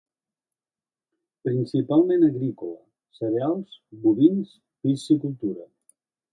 Principalment agrícola: cereals, bovins, piscicultura.